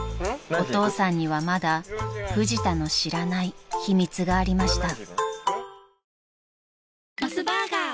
［お父さんにはまだフジタの知らない秘密がありました］